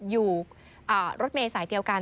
อยู่รถเมย์สายเดียวกัน